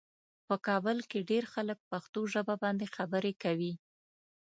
په کابل کې ډېر خلک پښتو ژبه باندې خبرې کوي.